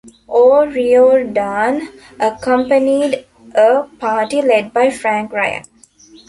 O'Riordan accompanied a party led by Frank Ryan.